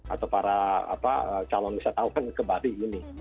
atau para calon wisatawan ke bali ini